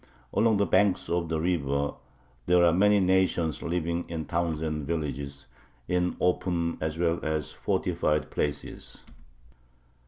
Along the banks of the river there are many nations living in towns and villages, in open as well as fortified places.